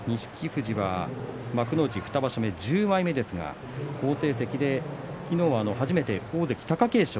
富士は幕内２場所目１０枚目ですが好成績で昨日は初めて大関貴景勝。